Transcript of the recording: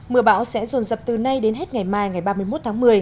mưa bão sẽ rồn dập từ nay đến hết ngày mai ngày ba mươi một tháng một mươi